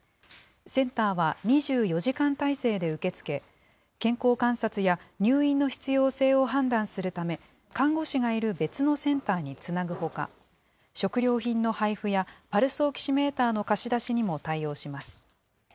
センターは２４時間態勢で受け付け、健康観察や入院の必要性を判断するため、看護師がいる別のセンターにつなぐほか、食料品の配布やパルスオキシメーターの貸し出しにも対応します。